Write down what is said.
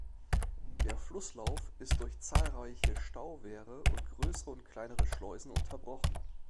Der Flusslauf ist durch zahlreiche Stauwehre und größere und kleine Schleusen unterbrochen.